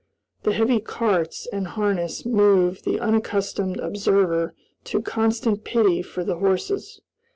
The heavy carts and harness move the unaccustomed observer to constant pity for the horses.